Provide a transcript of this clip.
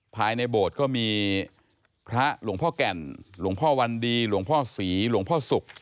ภายในโบสถ์ก็มีพระหลวงพ่อแก่นหลวงพ่อวันดีหลวงพ่อศรีหลวงพ่อศุกร์